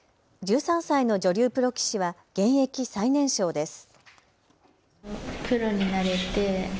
１３歳の女流プロ棋士は現役最年少です。